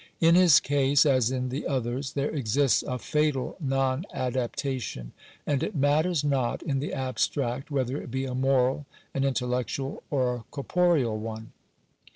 In his case, as in the others, there exists a fatal non adaptation ; and it matters not in the abstract whether it be a moral, an intellectual, or a corporeal l one.